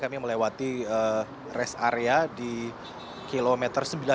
kami melewati rest area di kilometer sembilan puluh